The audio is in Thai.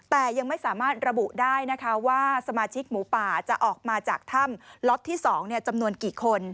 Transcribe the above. แต่ยังไม่สามารถระบุได้นะคะว่าสมาชิกหมูป่าจะออกมาจากถ้ำล็อตที่๒จำนวนกี่คน